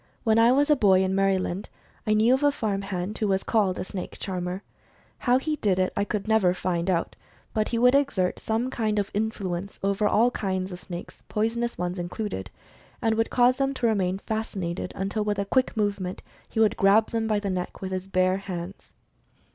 When I was a boy, in Maryland, I knew of a farm hand who was called a "snake charmer." How he did it, I never could find out, but he would exert some kind of influence over all kinds of snakes, poisonous ones included, and would cause them to remain fasci nated until with a quick movement he would grab them by the neck with his bare hands.